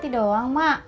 tidak doang mak